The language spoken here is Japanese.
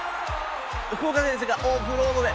福岡選手がオフロードで。